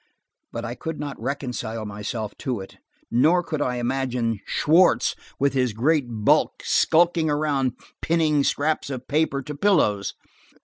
But I could not reconcile myself to it, nor could I imagine Schwartz, with his great bulk, skulking around pinning scraps of paper to pillows.